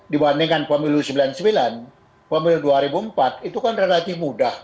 dibandingkan pemilu sembilan puluh sembilan pemilu dua ribu empat itu kan relatif mudah